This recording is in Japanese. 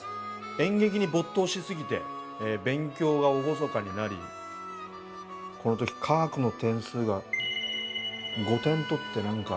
演劇に没頭しすぎて勉強がおろそかになりこの時化学の点数が５点取って何か。